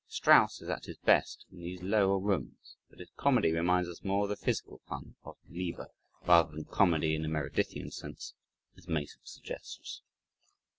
Strauss is at his best in these lower rooms, but his comedy reminds us more of the physical fun of Lever rather than "comedy in the Meredithian sense" as Mason suggests.